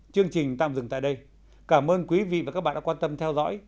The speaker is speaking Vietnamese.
chương trình tạm dừng tại đây cảm ơn quý vị và các bạn đã quan tâm theo dõi